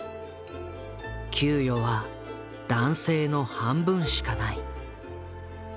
給与は男性の半分しかない。